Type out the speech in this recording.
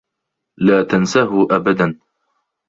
لا تنسه أبدا.